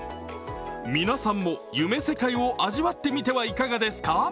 皆さんも夢世界を味わってみてはいかがですか？